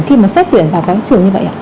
khi mà xét tuyển vào các trường như vậy ạ